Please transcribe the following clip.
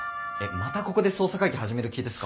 またここで捜査会議始める気ですか？